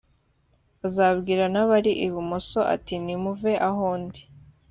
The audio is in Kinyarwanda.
azabwira n abari ibumoso ati nimuve aho ndi